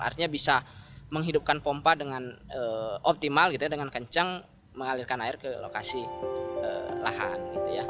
artinya bisa menghidupkan pompa dengan optimal dengan kencang mengalirkan air ke lokasi lahan